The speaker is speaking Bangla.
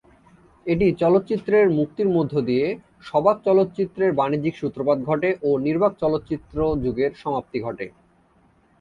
এই চলচ্চিত্রের মুক্তির মধ্য দিয়ে সবাক চলচ্চিত্রের বাণিজ্যিক সূত্রপাত ঘটে ও নির্বাক চলচ্চিত্র যুগের সমাপ্তি ঘটে।